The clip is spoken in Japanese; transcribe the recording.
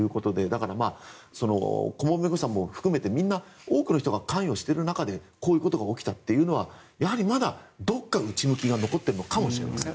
だから、顧問弁護士さん含めてみんな多くの人が関与している中でこういうことが起きたというのはやはりまだ、どこか内向きが残ってるのかもしれないです。